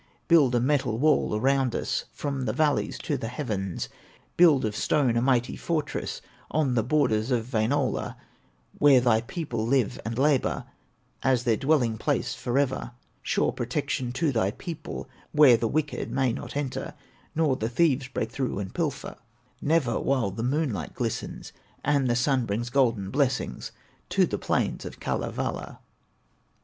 Build a metal wall around us, From the valleys to the heavens; Build of stone a mighty fortress On the borders of Wainola, Where thy people live and labor, As their dwelling place forever, Sure protection to thy people, Where the wicked may not enter, Nor the thieves break through and pilfer, Never while the moonlight glistens, And the Sun brings golden blessings To the plains of Kalevala."